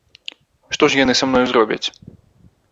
Што ж яны са мною зробяць?